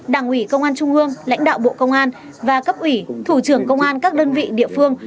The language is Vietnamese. đảng ủy công an trung ương lãnh đạo bộ công an và cấp ủy thủ trưởng công an các đơn vị địa phương